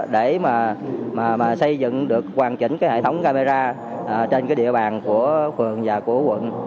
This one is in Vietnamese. để mà xây dựng được hoàn chỉnh hệ thống camera trên địa bàn của phường và của quận